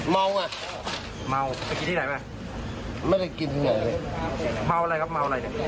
เมาไงเมาไปกินที่ไหนบ้างไม่ได้กินอย่างไรเลยเมาอะไรครับเมาอะไร